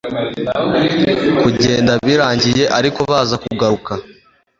kugenda birangiye ariko baza kugaruka